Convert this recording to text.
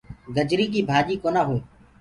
گجري ڪي ڀآجي ڪونآ هئي۔